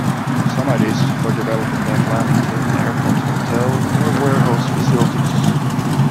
Some ideas for developing that land include an airport hotel or warehouse facilities.